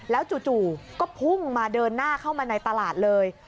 แล้วจู่ก็พุ่งมาเดินหน้าเข้ามาในตลาดเลย